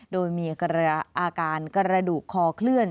โดยมีอาการกระดูกคอเคลื่อน